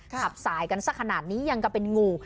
ขับสายกันสักขนาดนี้ยังก็เป็นงู